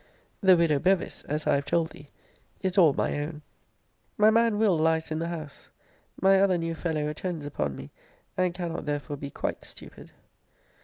The widow Bevis, as I have told thee, is all my own. My man Will. lies in the house. My other new fellow attends upon me; and cannot therefore be quite stupid.